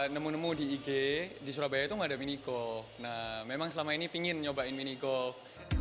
nemu nemu di ig di surabaya itu nggak ada mini golf nah memang selama ini pingin nyobain mini golf